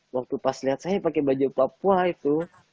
waktu pas lihat saya pakai baju papua itu